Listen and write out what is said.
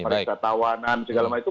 perikatawanan segala macam itu